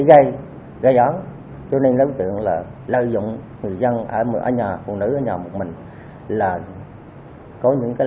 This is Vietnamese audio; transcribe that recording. gây án cho nên đối tượng là lợi dụng người dân ở nhà phụ nữ ở nhà một mình là có những cái